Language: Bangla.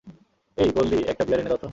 এই, গোল্ডি, একটা বিয়ার এনে দাও তো।